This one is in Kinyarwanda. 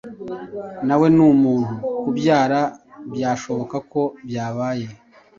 Nawe n’umuntu kubyara byashoboka ko byabaye.